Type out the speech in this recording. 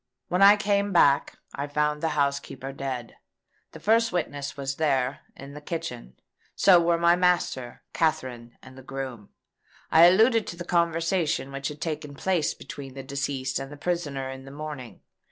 When I came back, I found the housekeeper dead. The first witness was there, in the kitchen. So were my master, Katherine, and the groom. I alluded to the conversation which had taken place between the deceased and the prisoner in the morning.